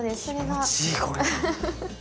気持ちいいこれ。